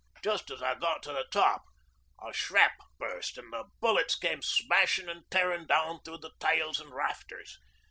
Just as I got to the top a shrap burst, an' the bullets came smashin' an' tearin' down thro' the tiles an' rafters.